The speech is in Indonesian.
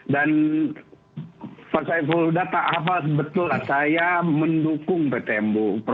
dan pak saiful udha tak hafal betul saya mendukung ptm